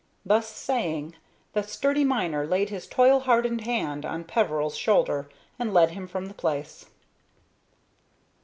Thus saying, the sturdy miner laid his toil hardened hand on Peveril's shoulder and led him from the place.